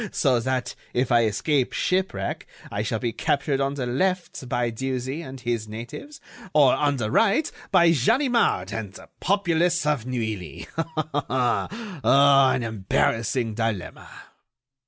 So that, if I escape shipwreck, I shall be captured on the left by Dieuzy and his natives, or, on the right, by Ganimard and the populace of Neuilly. An embarrassing dilemma!"